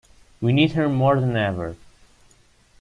We need her more than ever